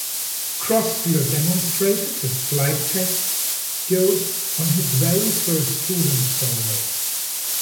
Crossfield demonstrated his flight test skills on his very first student solo.